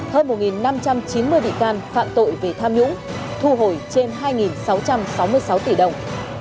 hơn một năm trăm chín mươi bị can phạm tội về tham nhũng thu hồi trên hai sáu trăm sáu mươi sáu tỷ đồng